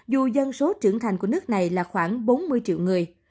dù dân số trưởng thành của nước này là khoảng bốn mươi triệu người